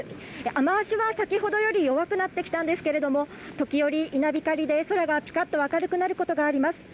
雨足は先ほどより弱くなってきたんですけど、時折、稲光で空がぴかっと明るくなることがあります